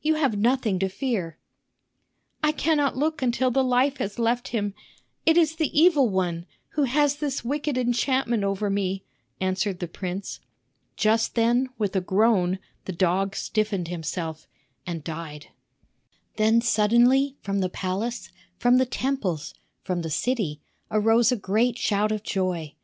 You have nothing to fear." "I cannot look until the life has left him. It is the evil one, who has this wicked enchantment over me," answered the prince. Just then, with a groan, the dog stiffened himself and died. Then suddenly, from the palace, from the temples, from the city, arose a great shout of joy.